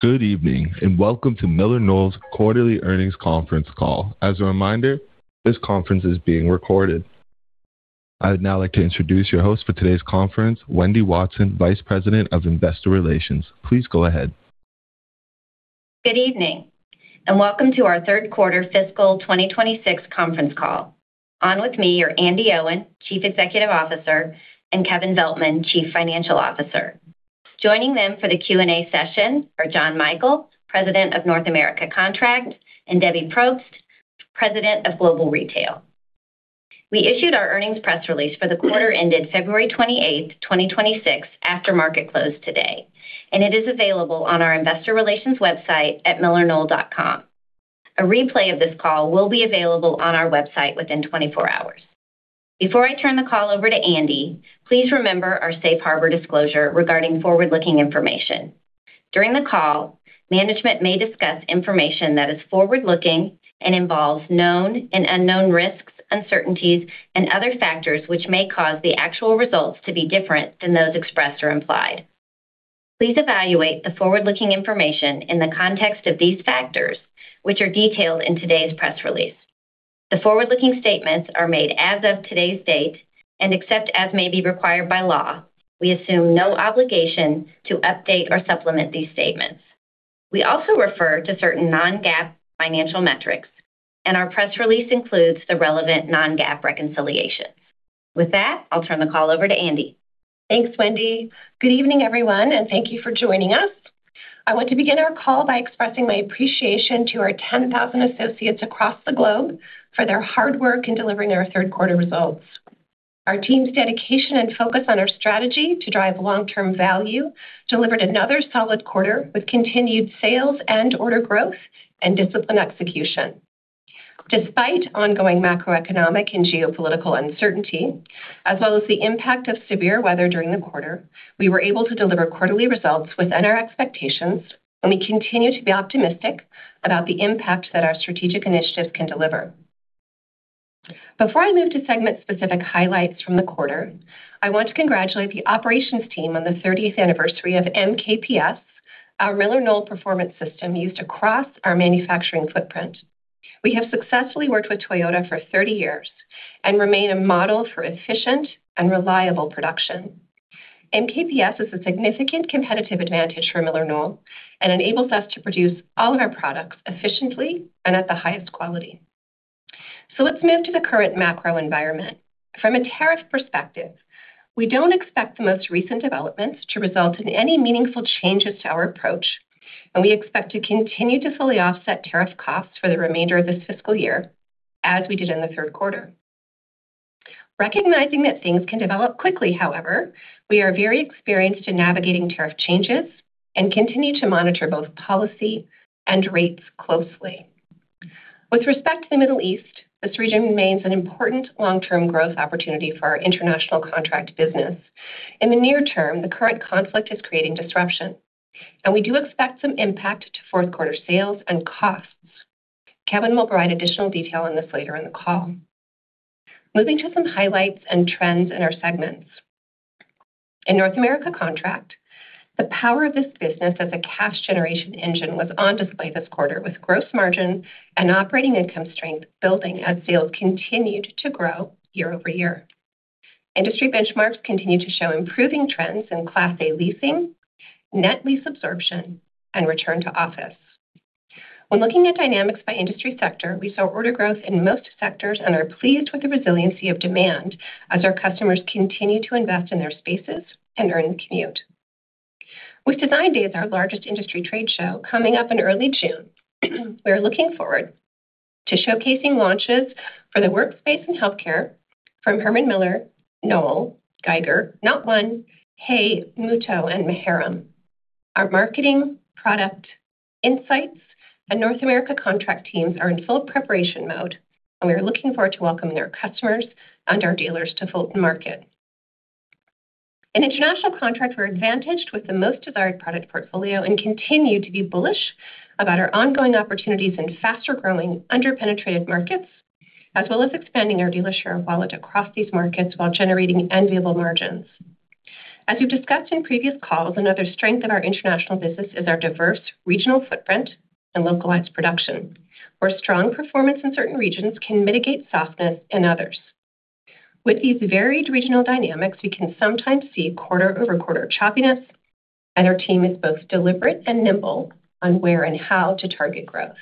Good evening, and welcome to MillerKnoll's quarterly earnings conference call. As a reminder, this conference is being recorded. I'd now like to introduce your host for today's conference, Wendy Watson, Vice President of Investor Relations. Please go ahead. Good evening, and welcome to our third quarter fiscal 2026 conference call. On with me are Andi Owen, Chief Executive Officer, and Kevin Veltman, Chief Financial Officer. Joining them for the Q&A session are John Michael, President of North America Contract, and Debbie Propst, President of Global Retail. We issued our earnings press release for the quarter ended February 28, 2026 after market close today, and it is available on our investor relations website at millerknoll.com. A replay of this call will be available on our website within 24 hours. Before I turn the call over to Andi, please remember our safe harbor disclosure regarding forward-looking information. During the call, management may discuss information that is forward-looking and involves known and unknown risks, uncertainties, and other factors which may cause the actual results to be different than those expressed or implied. Please evaluate the forward-looking information in the context of these factors, which are detailed in today's press release. The forward-looking statements are made as of today's date, and except as may be required by law, we assume no obligation to update or supplement these statements. We also refer to certain non-GAAP financial metrics, and our press release includes the relevant non-GAAP reconciliations. With that, I'll turn the call over to Andi. Thanks, Wendy. Good evening, everyone, and thank you for joining us. I want to begin our call by expressing my appreciation to our 10,000 associates across the globe for their hard work in delivering our third quarter results. Our team's dedication and focus on our strategy to drive long-term value delivered another solid quarter with continued sales and order growth and disciplined execution. Despite ongoing macroeconomic and geopolitical uncertainty, as well as the impact of severe weather during the quarter, we were able to deliver quarterly results within our expectations, and we continue to be optimistic about the impact that our strategic initiatives can deliver. Before I move to segment-specific highlights from the quarter, I want to congratulate the operations team on the 30th anniversary of MKPS, our MillerKnoll Performance System used across our manufacturing footprint. We have successfully worked with Toyota for 30 years and remain a model for efficient and reliable production. MKPS is a significant competitive advantage for MillerKnoll and enables us to produce all of our products efficiently and at the highest quality. Let's move to the current macro environment. From a tariff perspective, we don't expect the most recent developments to result in any meaningful changes to our approach, and we expect to continue to fully offset tariff costs for the remainder of this fiscal year as we did in the third quarter. Recognizing that things can develop quickly, however, we are very experienced in navigating tariff changes and continue to monitor both policy and rates closely. With respect to the Middle East, this region remains an important long-term growth opportunity for our international contract business. In the near term, the current conflict is creating disruption, and we do expect some impact to fourth quarter sales and costs. Kevin will provide additional detail on this later in the call. Moving to some highlights and trends in our segments. In North America Contract, the power of this business as a cash generation engine was on display this quarter with gross margin and operating income strength building as sales continued to grow year-over-year. Industry benchmarks continue to show improving trends in Class A leasing, net lease absorption, and return to office. When looking at dynamics by industry sector, we saw order growth in most sectors and are pleased with the resiliency of demand as our customers continue to invest in their spaces and earn the commute. With Design Days, our largest industry trade show coming up in early June, we are looking forward to showcasing launches for the workspace and healthcare from Herman Miller, Knoll, Geiger, NaughtOne, HAY, Muuto, and Maharam. Our marketing, product, insights, and North America Contract teams are in full preparation mode, and we are looking forward to welcoming our customers and our dealers to Fulton Market. In International Contract, we're advantaged with the most desired product portfolio and continue to be bullish about our ongoing opportunities in faster-growing, under-penetrated markets, as well as expanding our dealer share of wallet across these markets while generating enviable margins. As we've discussed in previous calls, another strength in our international business is our diverse regional footprint and localized production, where strong performance in certain regions can mitigate softness in others. With these varied regional dynamics, we can sometimes see quarter-over-quarter choppiness, and our team is both deliberate and nimble on where and how to target growth.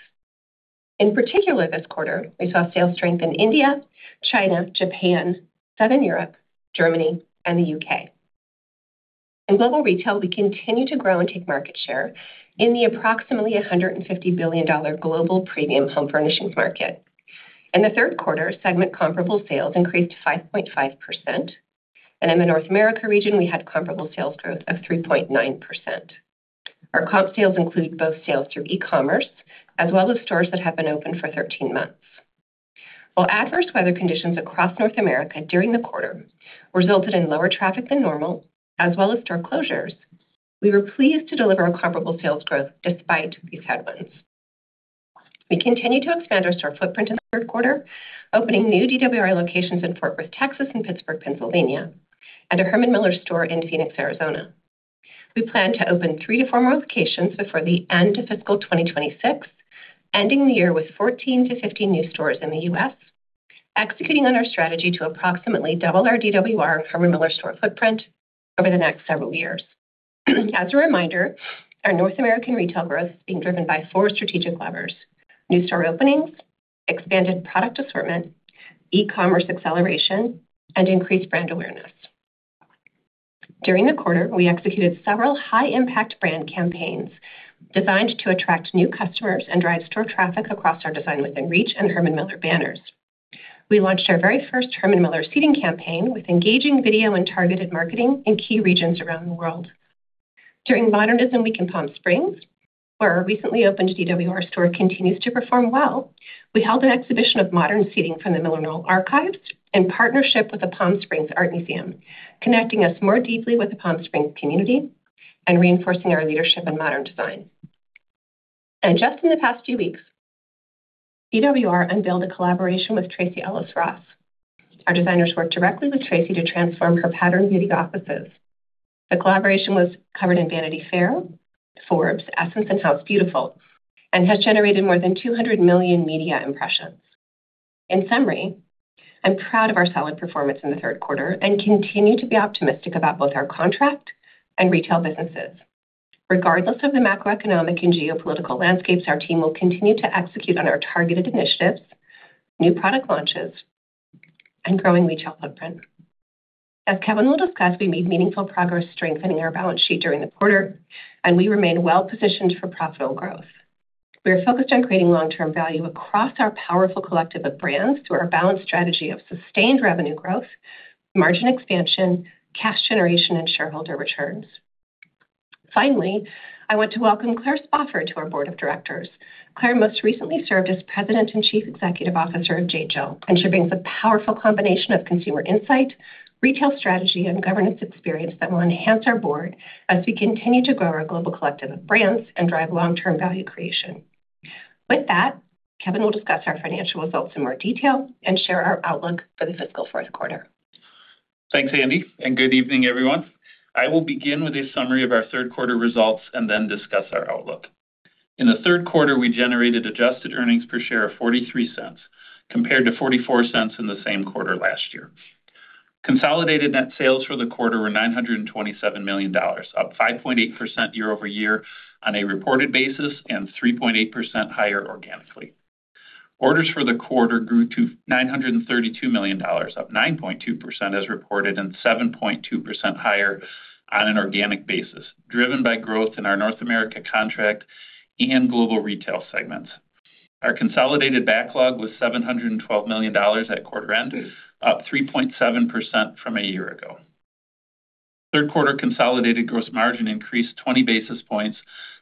In particular this quarter, we saw sales strength in India, China, Japan, Southern Europe, Germany, and the U.K. In Global Retail, we continue to grow and take market share in the approximately $150 billion global premium home furnishings market. In the third quarter, segment comparable sales increased 5.5%, and in the North America region we had comparable sales growth of 3.9%. Our comp sales include both sales through e-commerce as well as stores that have been open for 13 months. While adverse weather conditions across North America during the quarter resulted in lower traffic than normal as well as store closures, we were pleased to deliver a comparable sales growth despite these headwinds. We continue to expand our store footprint in the third quarter, opening new DWR locations in Fort Worth, Texas, and Pittsburgh, Pennsylvania, and a Herman Miller store in Phoenix, Arizona. We plan to open 3-4 more locations before the end of fiscal 2026, ending the year with 14-15 new stores in the U.S., executing on our strategy to approximately double our DWR Herman Miller store footprint over the next several years. As a reminder, our North American retail growth is being driven by four strategic levers, new store openings, expanded product assortment, e-commerce acceleration, and increased brand awareness. During the quarter, we executed several high-impact brand campaigns designed to attract new customers and drive store traffic across our Design Within Reach and Herman Miller banners. We launched our very first Herman Miller seating campaign with engaging video and targeted marketing in key regions around the world. During Modernism Week in Palm Springs, where our recently opened DWR store continues to perform well, we held an exhibition of modern seating from the MillerKnoll archives in partnership with the Palm Springs Art Museum, connecting us more deeply with the Palm Springs community and reinforcing our leadership in modern design. Just in the past few weeks, DWR unveiled a collaboration with Tracee Ellis Ross. Our designers worked directly with Tracee to transform her Pattern Beauty offices. The collaboration was covered in Vanity Fair, Forbes, Essence, and House Beautiful, and has generated more than 200 million media impressions. In summary, I'm proud of our solid performance in the third quarter and continue to be optimistic about both our contract and retail businesses. Regardless of the macroeconomic and geopolitical landscapes, our team will continue to execute on our targeted initiatives, new product launches, and growing retail footprint. As Kevin will discuss, we made meaningful progress strengthening our balance sheet during the quarter, and we remain well positioned for profitable growth. We are focused on creating long-term value across our powerful collective of brands through our balanced strategy of sustained revenue growth, margin expansion, cash generation, and shareholder returns. Finally, I want to welcome Claire Spofford to our Board of Directors. Claire most recently served as president and chief executive officer of J.Jill, and she brings a powerful combination of consumer insight, retail strategy, and governance experience that will enhance our board as we continue to grow our global collective of brands and drive long-term value creation. With that, Kevin will discuss our financial results in more detail and share our outlook for the fiscal fourth quarter. Thanks, Andi, and good evening, everyone. I will begin with a summary of our third quarter results and then discuss our outlook. In the third quarter, we generated adjusted earnings per share of $0.43 compared to $0.44 in the same quarter last year. Consolidated net sales for the quarter were $927 million, up 5.8% year-over-year on a reported basis and 3.8% higher organically. Orders for the quarter grew to $932 million, up 9.2% as reported and 7.2% higher on an organic basis, driven by growth in our North America Contract and Global Retail segments. Our consolidated backlog was $712 million at quarter end, up 3.7% from a year ago. Third quarter consolidated gross margin increased 20 basis points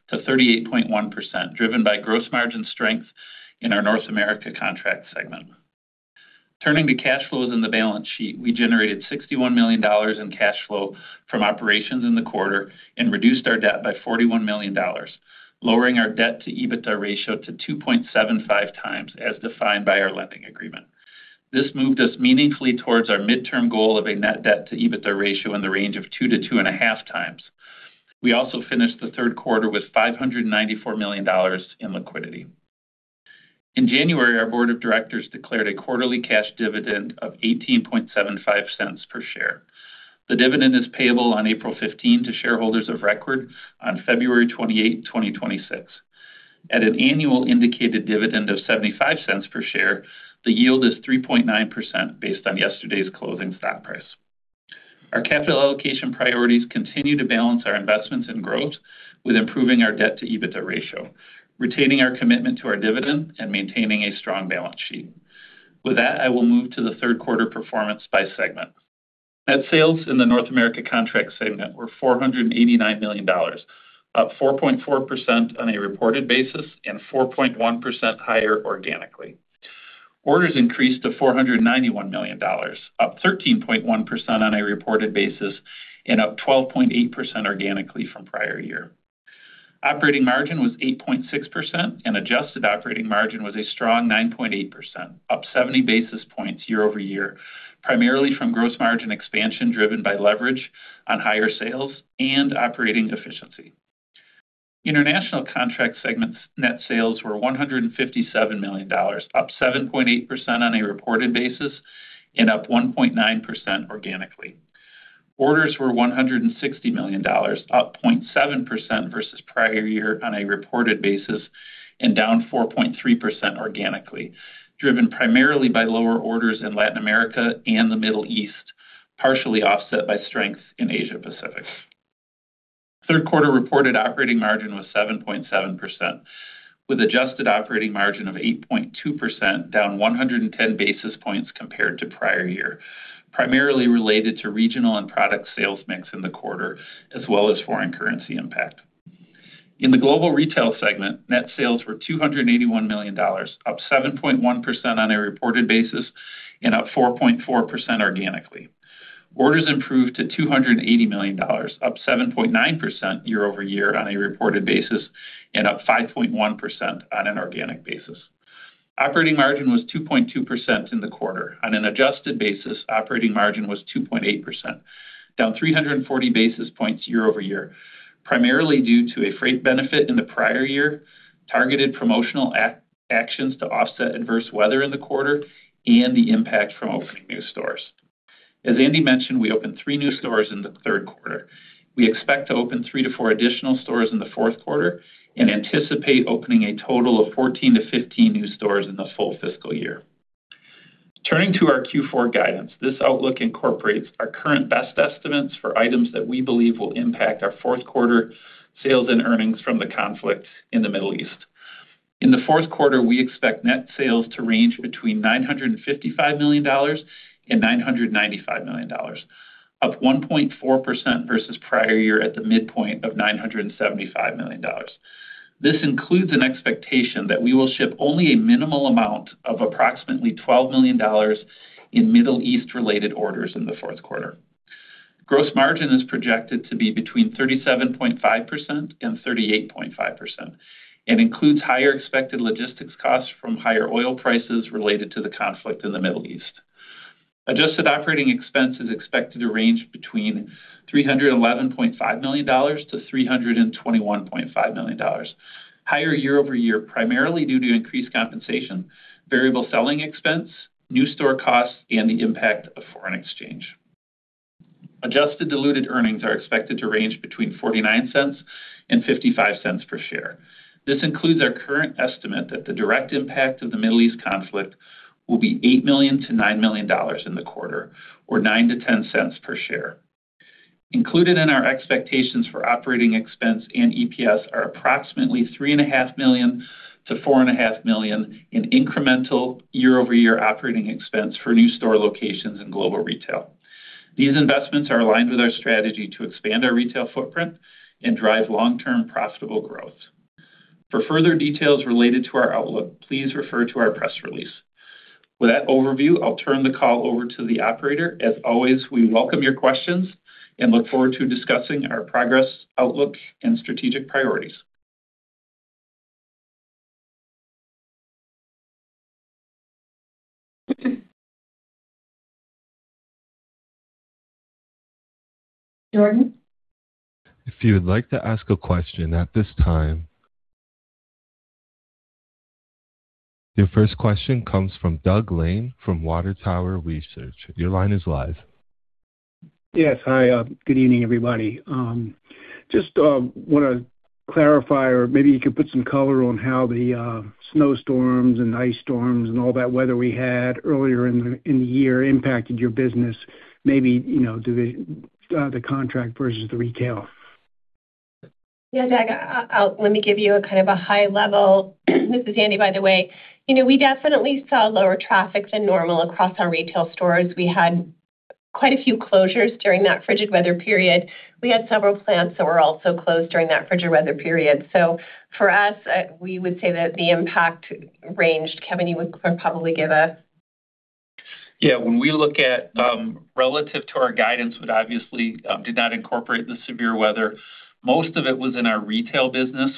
to 38.1%, driven by gross margin strength in our North America Contract segment. Turning to cash flows in the balance sheet, we generated $61 million in cash flow from operations in the quarter and reduced our debt by $41 million, lowering our debt to EBITDA ratio to 2.75 times as defined by our lending agreement. This moved us meaningfully towards our midterm goal of a net debt to EBITDA ratio in the range of 2-2.5 times. We also finished the third quarter with $594 million in liquidity. In January, our board of directors declared a quarterly cash dividend of $18.75 per share. The dividend is payable on April 15 to shareholders of record on February 28, 2026. At an annual indicated dividend of $0.75 per share, the yield is 3.9% based on yesterday's closing stock price. Our capital allocation priorities continue to balance our investments in growth with improving our debt to EBITDA ratio, retaining our commitment to our dividend, and maintaining a strong balance sheet. With that, I will move to the third quarter performance by segment. Net sales in the North America Contract segment were $489 million, up 4.4% on a reported basis and 4.1% higher organically. Orders increased to $491 million, up 13.1% on a reported basis and up 12.8% organically from prior year. Operating margin was 8.6%, and adjusted operating margin was a strong 9.8%, up 70 basis points year-over-year, primarily from gross margin expansion driven by leverage on higher sales and operating efficiency. International Contract segment's net sales were $157 million, up 7.8% on a reported basis and up 1.9% organically. Orders were $160 million, up 0.7% versus prior year on a reported basis and down 4.3% organically, driven primarily by lower orders in Latin America and the Middle East, partially offset by strength in Asia Pacific. Third quarter reported operating margin was 7.7% with adjusted operating margin of 8.2% down 110 basis points compared to prior year, primarily related to regional and product sales mix in the quarter as well as foreign currency impact. In the Global Retail segment, net sales were $281 million, up 7.1% on a reported basis and up 4.4% organically. Orders improved to $280 million, up 7.9% year-over-year on a reported basis and up 5.1% on an organic basis. Operating margin was 2.2% in the quarter. On an adjusted basis, operating margin was 2.8%, down 340 basis points year-over-year, primarily due to a freight benefit in the prior year, targeted promotional actions to offset adverse weather in the quarter and the impact from opening new stores. As Andi mentioned, we opened three new stores in the third quarter. We expect to open 3-4 additional stores in the fourth quarter and anticipate opening a total of 14-15 new stores in the full fiscal year. Turning to our Q4 guidance, this outlook incorporates our current best estimates for items that we believe will impact our fourth quarter sales and earnings from the conflict in the Middle East. In the fourth quarter, we expect net sales to range between $955 million and $995 million, up 1.4% versus prior year at the midpoint of $975 million. This includes an expectation that we will ship only a minimal amount of approximately $12 million in Middle East-related orders in the fourth quarter. Gross margin is projected to be between 37.5% and 38.5% and includes higher expected logistics costs from higher oil prices related to the conflict in the Middle East. Adjusted operating expense is expected to range between $311.5 million-$321.5 million. Higher year-over-year, primarily due to increased compensation, variable selling expense, new store costs and the impact of foreign exchange. Adjusted diluted earnings are expected to range between $0.49 and $0.55 per share. This includes our current estimate that the direct impact of the Middle East conflict will be $8 million-$9 million in the quarter, or $0.09-$0.10 per share. Included in our expectations for operating expense and EPS are approximately $3.5 million-$4.5 million in incremental year-over-year operating expense for new store locations in Global Retail. These investments are aligned with our strategy to expand our retail footprint and drive long-term profitable growth. For further details related to our outlook, please refer to our press release. With that overview, I'll turn the call over to the operator. We welcome your questions and look forward to discussing our progress, outlook, and strategic priorities. Jordan? If you would like to ask a question at this time. Your first question comes from Doug Lane from Water Tower Research. Your line is live. Yes. Hi. Good evening, everybody. Just wanna clarify, or maybe you could put some color on how the snowstorms and ice storms and all that weather we had earlier in the year impacted your business. Maybe do the contract versus the retail. Yeah, Doug, let me give you a kind of a high level. This is Andi, by the way. You know, we definitely saw lower traffic than normal across our retail stores. We had quite a few closures during that frigid weather period. We had several plants that were also closed during that frigid weather period. For us, we would say that the impact ranged. Kevin, you could probably give a- Yeah. When we look at relative to our guidance, would obviously did not incorporate the severe weather. Most of it was in our retail business.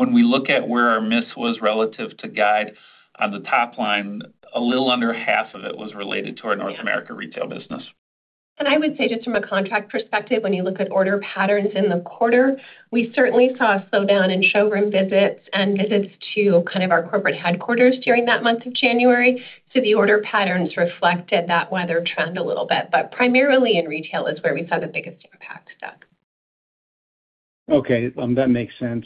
When we look at where our miss was relative to guide on the top line, a little under half of it was related to our North America retail business. I would say just from a Contract perspective, when you look at order patterns in the quarter, we certainly saw a slowdown in showroom visits and visits to kind of our corporate headquarters during that month of January. The order patterns reflected that weather trend a little bit, but primarily in Retail is where we saw the biggest impact, Doug. Okay. That makes sense.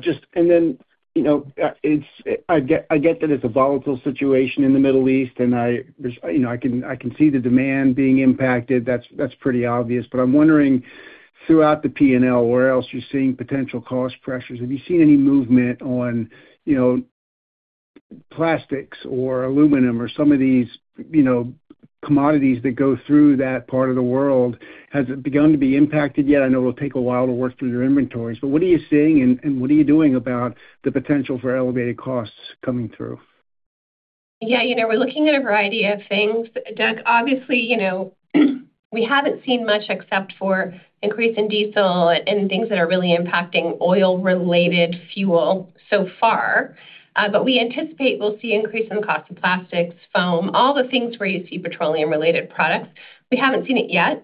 Just and then, you know, I get that it's a volatile situation in the Middle East and there's, you know, I can see the demand being impacted. That's pretty obvious. I'm wondering, throughout the P&L, where else you're seeing potential cost pressures. Have you seen any movement on, you know, plastics or aluminum or some of these, you know, commodities that go through that part of the world? Has it begun to be impacted yet? I know it'll take a while to work through your inventories, but what are you seeing and what are you doing about the potential for elevated costs coming through? Yeah, you know, we're looking at a variety of things, Doug. Obviously, you know, we haven't seen much except for increase in diesel and things that are really impacting oil-related fuel so far. But we anticipate we'll see increase in cost of plastics, foam, all the things where you see petroleum-related products. We haven't seen it yet.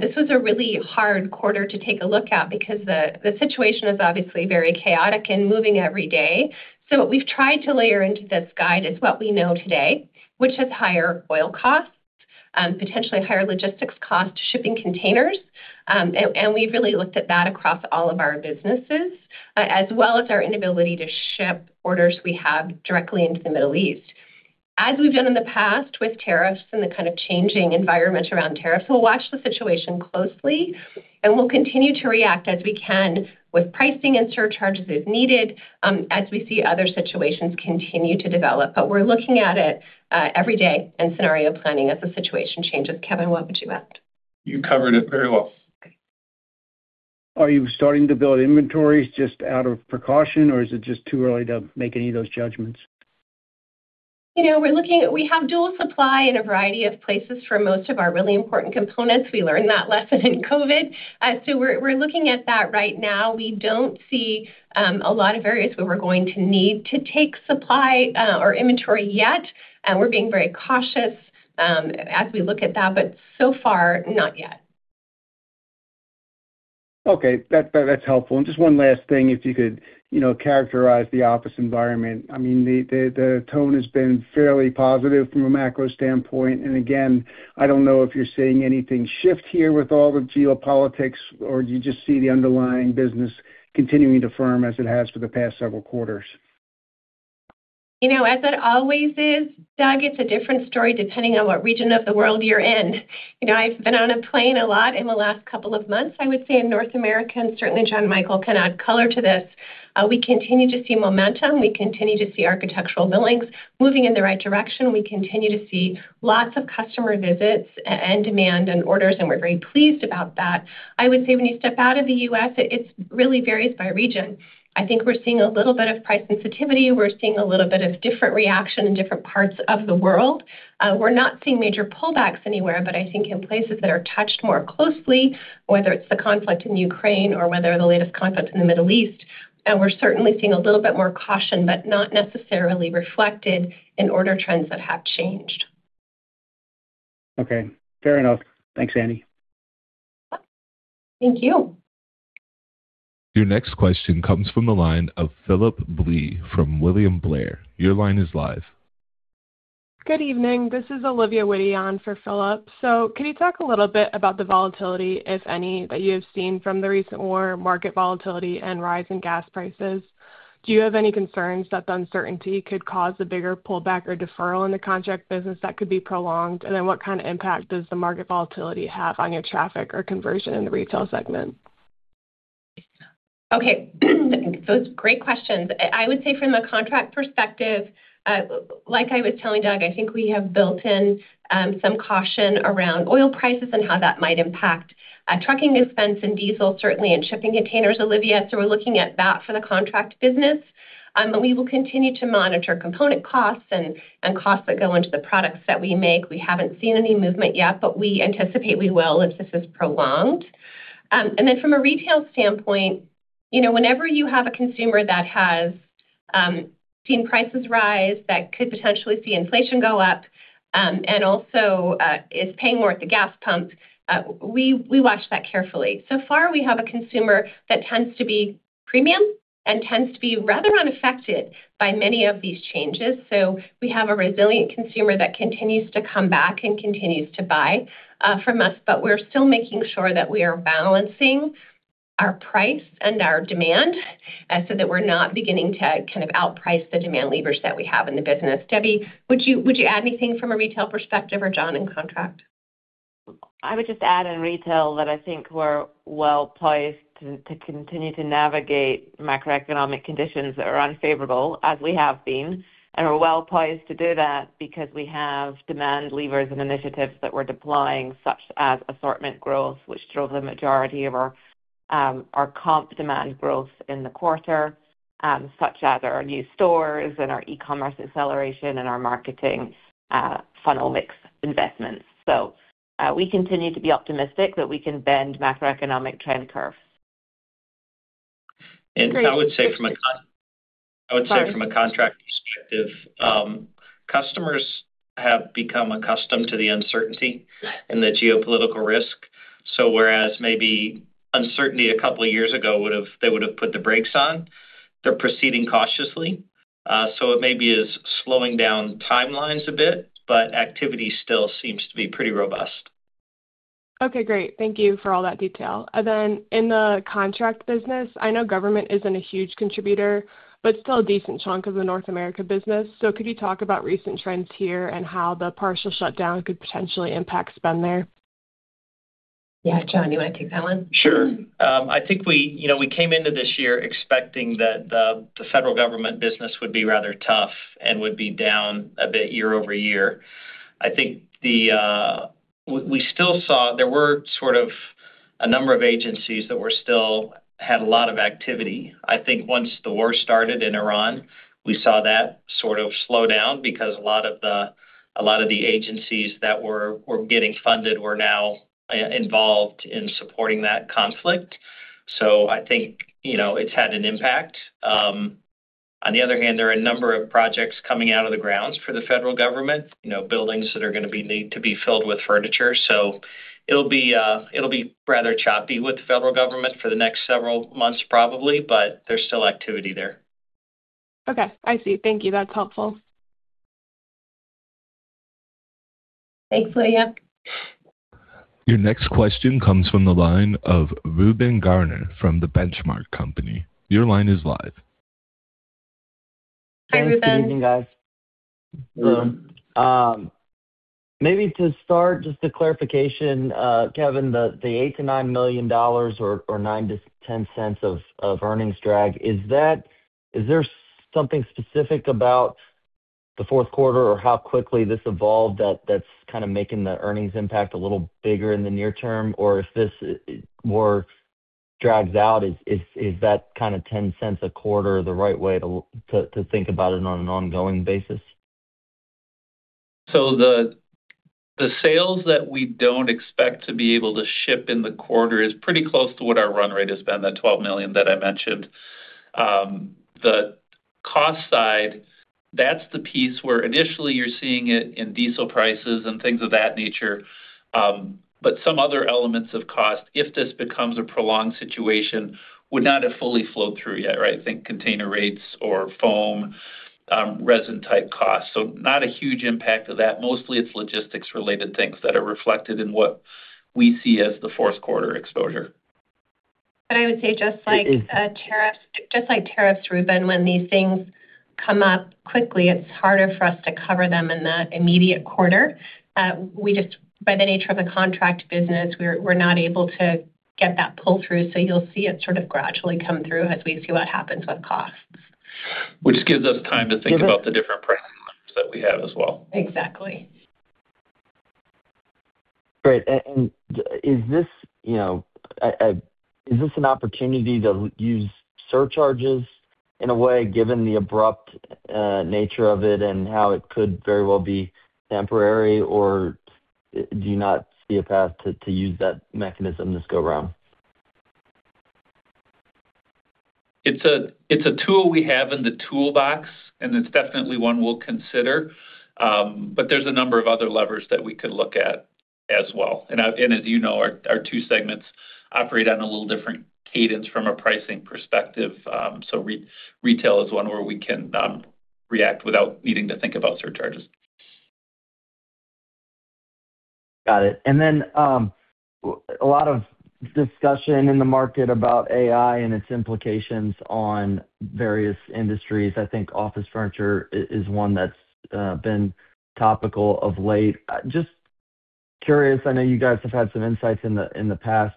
This was a really hard quarter to take a look at because the situation is obviously very chaotic and moving every day. What we've tried to layer into this guide is what we know today, which is higher oil costs, potentially higher logistics cost, shipping containers, and we've really looked at that across all of our businesses, as well as our inability to ship orders we have directly into the Middle East. As we've done in the past with tariffs and the kind of changing environment around tariffs, we'll watch the situation closely, and we'll continue to react as we can with pricing and surcharges as needed, as we see other situations continue to develop. We're looking at it, every day and scenario planning as the situation changes. Kevin, what would you add? You covered it very well. Okay. Are you starting to build inventories just out of precaution, or is it just too early to make any of those judgments? You know, we have dual supply in a variety of places for most of our really important components. We learned that lesson in COVID. We're looking at that right now. We don't see a lot of areas where we're going to need to take supply or inventory yet, and we're being very cautious as we look at that, but so far, not yet. Okay. That's helpful. Just one last thing, if you could, you know, characterize the office environment. I mean, the tone has been fairly positive from a macro standpoint, and again, I don't know if you're seeing anything shift here with all the geopolitics, or do you just see the underlying business continuing to firm as it has for the past several quarters? You know, as it always is, Doug, it's a different story depending on what region of the world you're in. You know, I've been on a plane a lot in the last couple of months, I would say in North America, and certainly John Michael can add color to this. We continue to see momentum. We continue to see architectural billings moving in the right direction. We continue to see lots of customer visits and demand and orders, and we're very pleased about that. I would say when you step out of the U.S., it's really varies by region. I think we're seeing a little bit of price sensitivity. We're seeing a little bit of different reaction in different parts of the world. We're not seeing major pullbacks anywhere, but I think in places that are touched more closely, whether it's the conflict in Ukraine or whether the latest conflict in the Middle East, and we're certainly seeing a little bit more caution, but not necessarily reflected in order trends that have changed. Okay, fair enough. Thanks, Andi. Thank you. Your next question comes from the line of Phillip Blee from William Blair. Your line is live. Good evening, this is Olivia Witte on for Phillip. Can you talk a little bit about the volatility, if any, that you have seen from the recent war, market volatility and rise in gas prices? Do you have any concerns that the uncertainty could cause a bigger pullback or deferral in the contract business that could be prolonged? And then what kind of impact does the market volatility have on your traffic or conversion in the retail segment? Okay. Those are great questions. I would say from a contract perspective, like I was telling Doug, I think we have built in some caution around oil prices and how that might impact trucking expense and diesel, certainly, and shipping containers, Olivia. We're looking at that for the contract business. We will continue to monitor component costs and costs that go into the products that we make. We haven't seen any movement yet, but we anticipate we will if this is prolonged. From a retail standpoint, you know, whenever you have a consumer that has seen prices rise, that could potentially see inflation go up and also is paying more at the gas pump, we watch that carefully. So far, we have a consumer that tends to be premium and tends to be rather unaffected by many of these changes. We have a resilient consumer that continues to come back and continues to buy from us, but we're still making sure that we are balancing our price and our demand, so that we're not beginning to kind of outprice the demand levers that we have in the business. Debbie, would you add anything from a retail perspective or John in Contract? I would just add in retail that I think we're well-placed to continue to navigate macroeconomic conditions that are unfavorable as we have been, and we're well-placed to do that because we have demand levers and initiatives that we're deploying, such as assortment growth, which drove the majority of our comp demand growth in the quarter, such as our new stores and our e-commerce acceleration and our marketing funnel mix investments. We continue to be optimistic that we can bend macroeconomic trend curve. Great. I would say from a contract perspective, customers have become accustomed to the uncertainty and the geopolitical risk. Whereas maybe uncertainty a couple of years ago would have put the brakes on, they're proceeding cautiously. It maybe is slowing down timelines a bit, but activity still seems to be pretty robust. Okay, great. Thank you for all that detail. In the contract business, I know government isn't a huge contributor, but still a decent chunk of the North America business. Could you talk about recent trends here and how the partial shutdown could potentially impact spend there? Yeah. John, you wanna take that one? Sure. I think we, you know, we came into this year expecting that the federal government business would be rather tough and would be down a bit year-over-year. We still saw there were sort of a number of agencies that still had a lot of activity. I think once the war started in Iran, we saw that sort of slow down because a lot of the agencies that were getting funded were now involved in supporting that conflict. I think, you know, it's had an impact. On the other hand, there are a number of projects coming out of the grounds for the federal government, you know, buildings that are gonna need to be filled with furniture. It'll be rather choppy with the federal government for the next several months, probably, but there's still activity there. Okay, I see. Thank you. That's helpful. Thanks, Olivia. Your next question comes from the line of Reuben Garner from The Benchmark Company. Your line is live. Hi, Reuben. Thanks. Good evening, guys. Maybe to start, just a clarification, Kevin, the $8 million-$9 million or $0.09-$0.10 of earnings drag, is there something specific about the fourth quarter or how quickly this evolved that's kind of making the earnings impact a little bigger in the near term? Or is this more drags out, is that kind of $0.10 a quarter the right way to think about it on an ongoing basis? The sales that we don't expect to be able to ship in the quarter is pretty close to what our run rate has been, that $12 million that I mentioned. The cost side, that's the piece where initially you're seeing it in diesel prices and things of that nature. Some other elements of cost, if this becomes a prolonged situation, would not have fully flowed through yet, right? Think container rates or foam, resin-type costs. Not a huge impact of that. Mostly it's logistics-related things that are reflected in what we see as the fourth quarter exposure. I would say just like tariffs, Reuben, when these things come up quickly, it's harder for us to cover them in the immediate quarter. By the nature of a contract business, we're not able to get that pull-through, so you'll see it sort of gradually come through as we see what happens with costs. Which gives us time to think about the different pricing models that we have as well. Exactly. Great. Is this, you know, an opportunity to use surcharges in a way, given the abrupt nature of it and how it could very well be temporary? Or do you not see a path to use that mechanism this go around? It's a tool we have in the toolbox, and it's definitely one we'll consider. There's a number of other levers that we could look at as well. As you know, our two segments operate on a little different cadence from a pricing perspective. Retail is one where we can react without needing to think about surcharges. Got it. A lot of discussion in the market about AI and its implications on various industries. I think office furniture is one that's been topical of late. Just curious, I know you guys have had some insights in the past,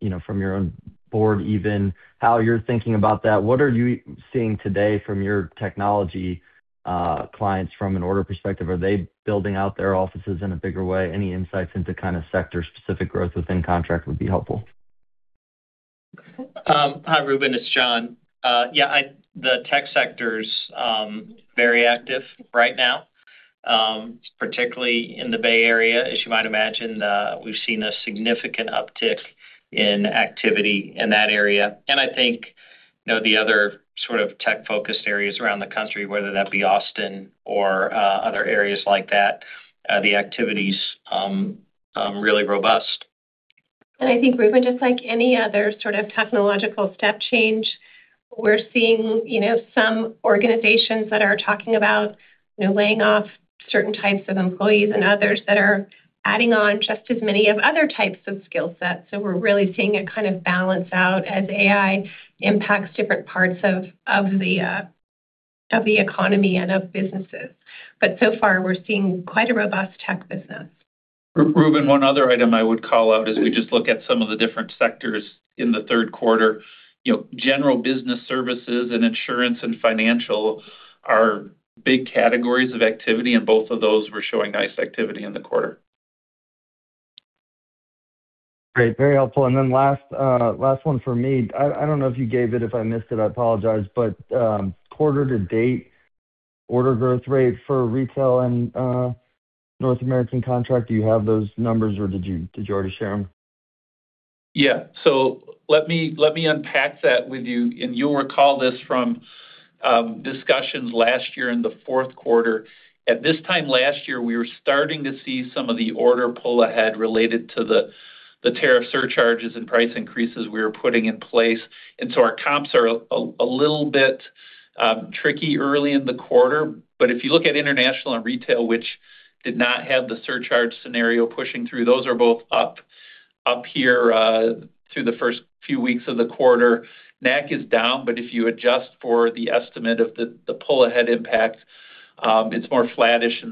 you know, from your own board even, how you're thinking about that. What are you seeing today from your technology clients from an order perspective? Are they building out their offices in a bigger way? Any insights into kind of sector-specific growth within contract would be helpful. Hi, Reuben. It's John. Yeah. The tech sector's very active right now, particularly in the Bay Area. As you might imagine, we've seen a significant uptick in activity in that area. I think, you know, the other sort of tech-focused areas around the country, whether that be Austin or other areas like that, the activity's really robust. I think, Reuben, just like any other sort of technological step change, we're seeing, you know, some organizations that are talking about, you know, laying off certain types of employees and others that are adding on just as many of other types of skill sets. We're really seeing a kind of balance out as AI impacts different parts of the economy and of businesses. So far, we're seeing quite a robust tech business. Reuben, one other item I would call out as we just look at some of the different sectors in the third quarter. You know, general business services and insurance and financial are big categories of activity, and both of those were showing nice activity in the quarter. Great. Very helpful. Last one from me. I don't know if you gave it. If I missed it, I apologize, but quarter to date order growth rate for Retail and North America Contract. Do you have those numbers, or did you already share them? Yeah. Let me unpack that with you. You'll recall this from discussions last year in the fourth quarter. At this time last year, we were starting to see some of the order pull ahead related to the tariff surcharges and price increases we were putting in place. Our comps are a little bit tricky early in the quarter. If you look at international and retail, which did not have the surcharge scenario pushing through, those are both up here through the first few weeks of the quarter. NAC is down, but if you adjust for the estimate of the pull ahead impact, it's more flattish.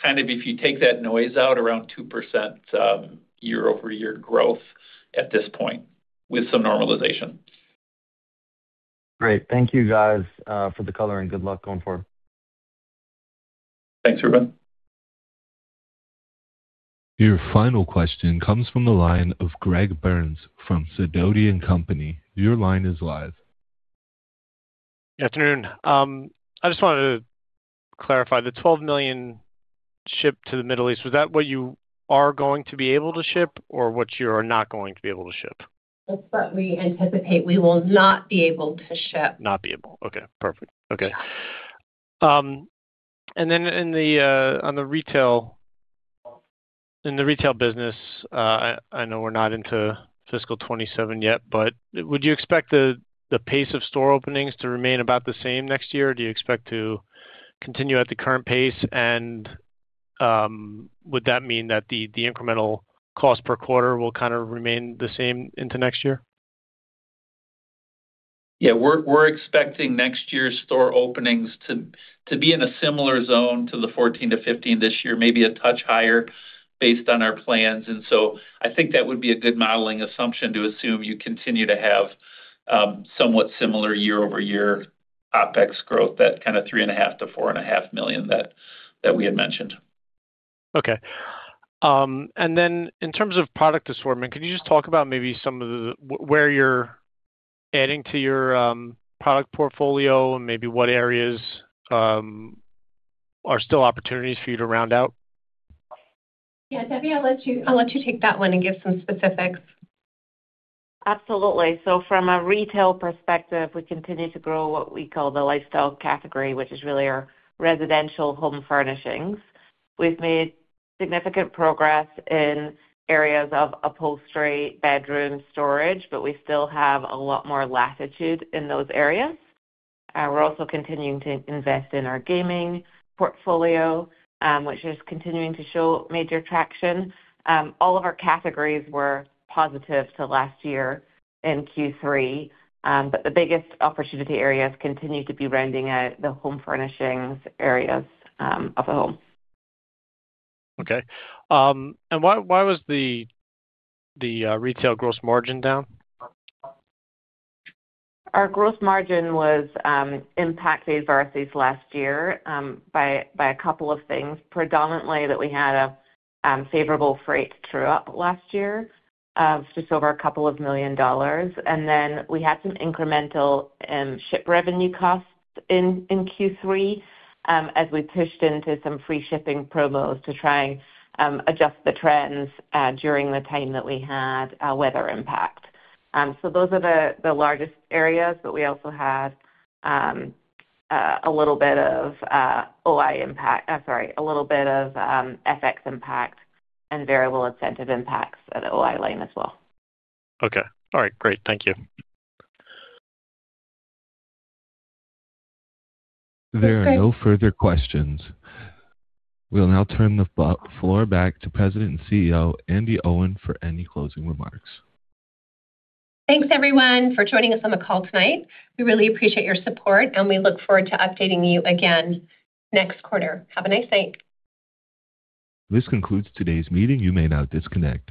Kind of if you take that noise out, around 2% year-over-year growth at this point with some normalization. Great. Thank you guys, for the color, and good luck going forward. Thanks, Reuben. Your final question comes from the line of Greg Burns from Sidoti & Company. Your line is live. Good afternoon. I just wanted to clarify, the $12 million shipped to the Middle East, was that what you are going to be able to ship or what you're not going to be able to ship? That's what we anticipate we will not be able to ship. Okay, perfect. Okay. On the retail, in the retail business, I know we're not into fiscal 2027 yet, but would you expect the pace of store openings to remain about the same next year? Do you expect to continue at the current pace? Would that mean that the incremental cost per quarter will kind of remain the same into next year? Yeah. We're expecting next year's store openings to be in a similar zone to the 14-15 this year, maybe a touch higher based on our plans. I think that would be a good modeling assumption to assume you continue to have somewhat similar year-over-year OpEx growth, that kind of $3.5 million-$4.5 million that we had mentioned. Okay. In terms of product assortment, can you just talk about maybe where you're adding to your product portfolio and maybe what areas are still opportunities for you to round out? Yeah. Debbie, I'll let you take that one and give some specifics. Absolutely. From a retail perspective, we continue to grow what we call the lifestyle category, which is really our residential home furnishings. We've made significant progress in areas of upholstery, bedroom storage, but we still have a lot more latitude in those areas. We're also continuing to invest in our gaming portfolio, which is continuing to show major traction. All of our categories were positive to last year in Q3, but the biggest opportunity areas continue to be rounding out the home furnishings areas of the home. Okay. Why was the retail gross margin down? Our gross margin was impacted versus last year by a couple of things. Predominantly that we had a favorable freight true-up last year of just over a couple million of dollars. Then we had some incremental ship revenue costs in Q3 as we pushed into some free shipping promos to try and adjust the trends during the time that we had a weather impact. Those are the largest areas. We also had a little bit of OI impact. Sorry, a little bit of FX impact and variable incentive impacts at OI line as well. Okay. All right, great. Thank you. Okay. There are no further questions. We'll now turn the floor back to President and CEO, Andi Owen for any closing remarks. Thanks, everyone, for joining us on the call tonight. We really appreciate your support, and we look forward to updating you again next quarter. Have a nice night. This concludes today's meeting. You may now disconnect.